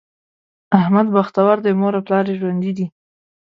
احمد بختور دی؛ مور او پلار یې ژوندي دي.